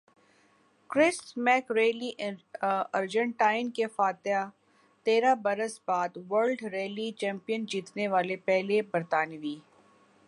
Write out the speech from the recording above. کرس Meeke rally Argentina کے فاتح تیرہ برس بعد ورلڈ ریلی چیمپئن جیتنے والے پہلے برطانوی